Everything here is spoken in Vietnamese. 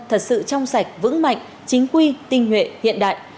thật sự trong sạch vững mạnh chính quy tinh nguyện hiện đại